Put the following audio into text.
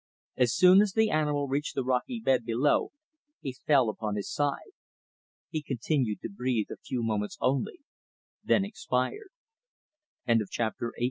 As soon as the animal reached the rocky bed below he fell upon his side. He continued to breathe a few moments only, then expired. CHAPTER XIX.